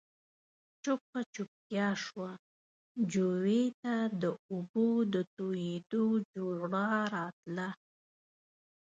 چوپه چوپتيا شوه، جووې ته د اوبو د تويېدو جورړا راتله.